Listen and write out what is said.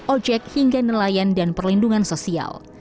ojek hingga nelayan dan perlindungan sosial